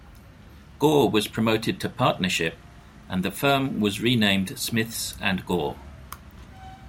Gore was promoted to partnership and the firm was renamed Smiths and Gore.